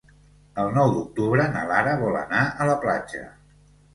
El nou d'octubre na Lara vol anar a la platja.